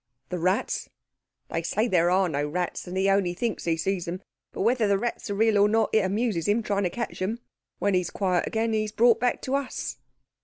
"The rats?" "They say there are no rats that he only thinks he sees them. But whether the rats are real or not it amuses him trying to catch them. When he is quiet again, he is brought back to us."